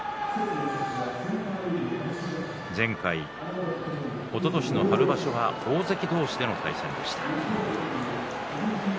前回おととしの春場所は大関同士での対戦でした。